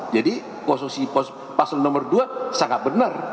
jadi posisi pasel nomor dua sangat benar